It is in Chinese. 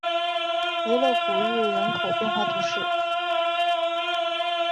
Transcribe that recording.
维勒古日人口变化图示